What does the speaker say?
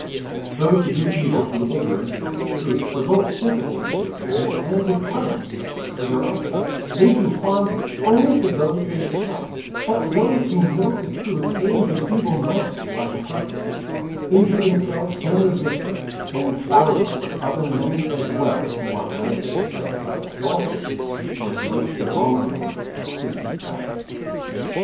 Those who do evil through ignorance of the truth provoke sympathy with their victims and repugnance for their actions, they do harm only to those they attack; but those who know the truth and do evil masked by hypocrisy, injure themselves and their victims, and thousands of other men as well who are led astray by the falsehood with which the wrongdoing is disguised.